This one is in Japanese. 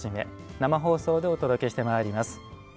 生放送でお届けしてまいります。